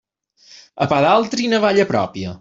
A pa d'altri, navalla pròpia.